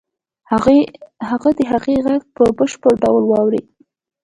هغه د هغې غږ په بشپړ ډول واورېد.